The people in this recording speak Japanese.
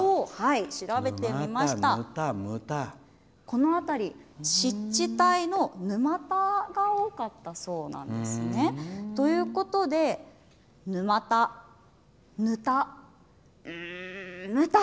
この辺り、湿地帯の沼田が多かったそうなんですね。ということで沼田、ぬた、牟田。